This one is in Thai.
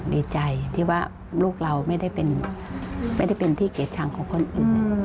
ดีใจที่ว่าลูกเราไม่ได้เป็นที่เกลียดชังของคนอื่น